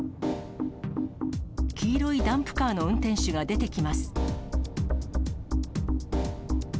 黄色いダンプカーの運転手が出てきます。